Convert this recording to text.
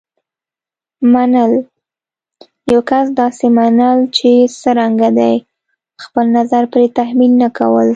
منل: یو کس داسې منل چې څرنګه دی. خپل نظر پرې تحمیل نه کول.